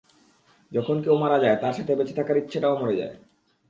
যখন কেউ মারা যায়, তার সাথে বেঁচে থাকার ইচ্ছাও মরে যায়।